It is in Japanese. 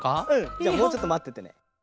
じゃあもうちょっとまっててね。